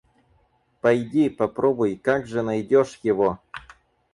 Пойди, попробуй, — как же, найдешь его!